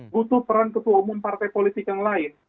butuh peran ketua umum partai politik yang lain